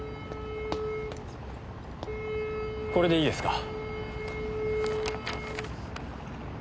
これでいいですか？